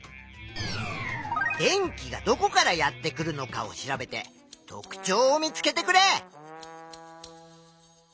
電気がどこからやってくるのかを調べて特ちょうを見つけてくれ！